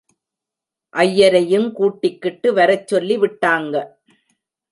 ஐயரையுங் கூட்டிக்கிட்டு வரச் சொல்லி விட்டாங்க.